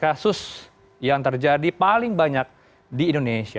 kasus yang terjadi paling banyak di indonesia